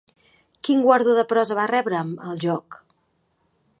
Quin guardó de prosa va rebre amb El joc?